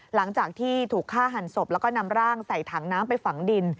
หลังจากที่ถูกฆ่าหันศพแล้วก็นำร่างใส่ถังน้ำไปฝังดิน